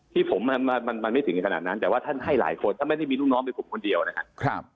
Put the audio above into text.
ที่ผมมันไม่ถึงขนาดนั้นแต่ว่าท่านให้หลายคนท่านไม่ได้มีลูกน้องเป็นผมคนเดียวนะครับ